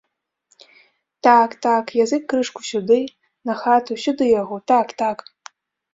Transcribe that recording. Так, так, язык крышку сюды, на хату, сюды яго, так, так.